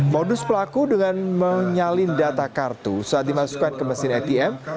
modus pelaku dengan menyalin data kartu saat dimasukkan ke mesin atm